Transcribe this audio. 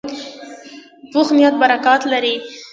پوخ نیت برکت لري